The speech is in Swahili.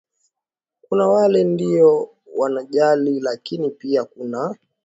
kuna wale ndio wanajali lakini pia kunaa